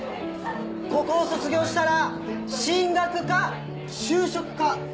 ここを卒業したら進学か就職か。